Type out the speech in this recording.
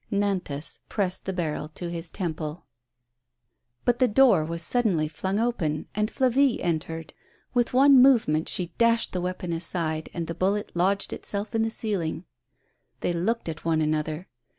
Nantas pressed the barrel to his temple. But the door was suddenly flung open, and Flavie entered. With one movement she dashed the weapon aside, and the bullet lodged itself in the ceiling. They looked at one another.